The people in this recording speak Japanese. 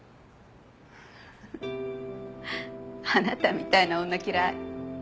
フフッあなたみたいな女嫌い。